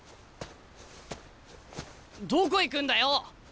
どこ行くんだよ？